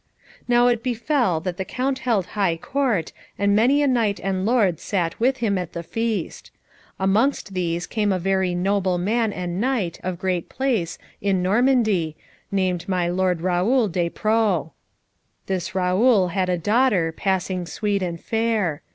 Now it befell that the Count held high Court, and many a knight and lord sat with him at the feast. Amongst these came a very noble man and knight, of great place, in Normandy, named my lord Raoul des Preaux. This Raoul had a daughter, passing sweet and fair.